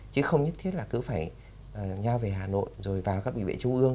chứ không nhất thiết là cứ phải nhau về hà nội rồi vào các bệnh viện trung ương